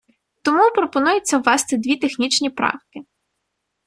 Тому, пропонується внести дві технічні правки.